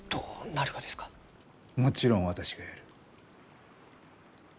もちろん私がやる。